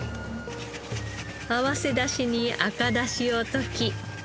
合わせだしに赤だしを溶き。